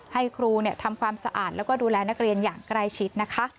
ให้ครูทำความสะอาดแล้วก็ดูแลนักเรียนอย่างใกล้ชิดนะคะ